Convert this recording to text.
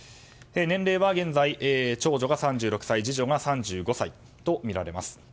年齢は現在、長女が３６歳次女が３５歳とみられます。